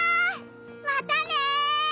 またね！